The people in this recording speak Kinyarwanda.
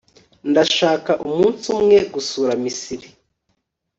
ndashaka umunsi umwe gusura misiri